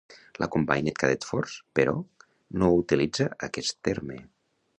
La Combined Cadet Force, però, no utilitza aquest terme.